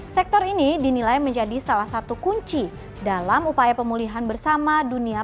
sektor ini dinilai menjadi salah satu kunci dalam upaya pemulihan bersama dunia